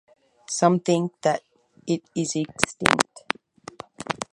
Some think that it is extinct.